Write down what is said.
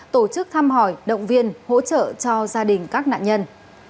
tổ chức thăm hỏi động viên hỗ trợ cho gia đình các nạn nhân